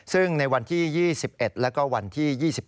ซึ่งในวันที่๒๑แล้วก็วันที่๒๙